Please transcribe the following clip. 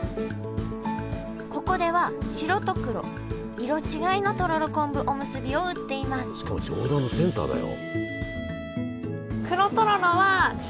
ここでは白と黒色違いのとろろ昆布おむすびを売っていますしかも上段のセンターだよ。